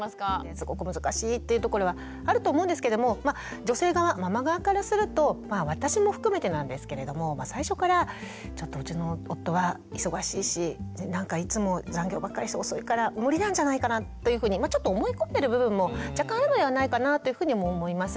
すごく難しいっていうところはあると思うんですけども女性側ママ側からすると私も含めてなんですけれども最初からちょっとうちの夫は忙しいしなんかいつも残業ばっかりして遅いから無理なんじゃないかなというふうにちょっと思い込んでる部分も若干あるのではないかなというふうにも思います。